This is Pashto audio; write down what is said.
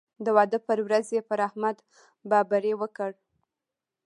د واده پر ورځ یې پر احمد بابېړۍ وکړ.